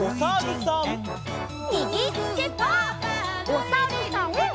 おさるさん。